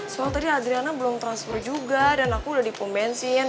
soalnya tadi adriana belum transfer juga dan aku udah di pum bensin